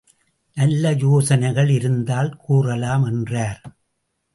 நல்ல யோசனைகள் இருந்தால் கூறலாம் என்றார்.